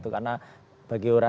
karena bagi orang